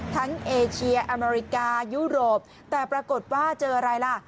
เอเชียอเมริกายุโรปแต่ปรากฏว่าเจออะไรล่ะ